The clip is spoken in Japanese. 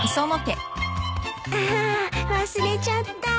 ああ忘れちゃった。